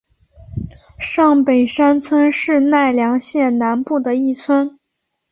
上北山村是奈良县南部的一村。